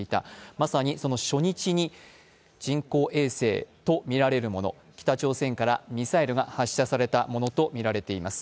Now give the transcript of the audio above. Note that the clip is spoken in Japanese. まさにその初日に人工衛星とみられるもの、北朝鮮からミサイルが発射されたものとみられています。